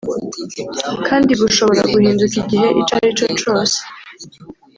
kandi gushobora guhinduka igihe icarico cose